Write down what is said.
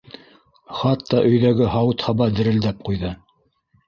Хатта өйҙәге һауыт-һаба дерелдәп ҡуйҙы.